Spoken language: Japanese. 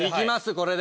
これで。